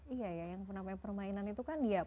iya ya yang namanya permainan itu kan ya